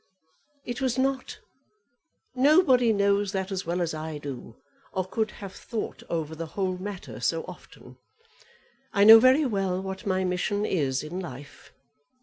"It was not. Nobody knows that as well as I do, or could have thought over the whole matter so often. I know very well what my mission is in life.